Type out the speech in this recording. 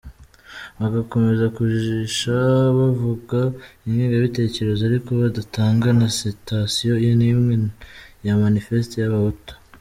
Bagakomeza kujijisha bavuga ingengabitekerezo ariko badatanga na citation nimwe ya Manifeste y’abahutu.